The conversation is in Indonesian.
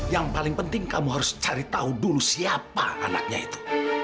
yang paling penting kamu harus cari tahu dulu siapa anaknya itu